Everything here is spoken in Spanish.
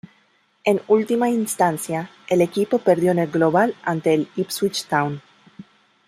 En última instancia, el equipo perdió en el global ante el Ipswich Town.